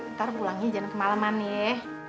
ntar pulangnya jangan kemaleman ye